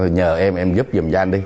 nhờ em em giúp giùm cho anh đi